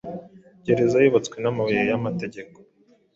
Gereza zubatswe n'amabuye y'amategeko,